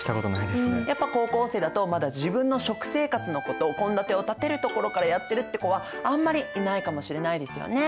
やっぱ高校生だとまだ自分の食生活のこと献立を立てるところからやってるって子はあんまりいないかもしれないですよね。